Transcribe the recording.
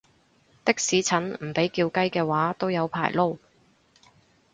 的士陳唔被叫雞嘅話都有排撈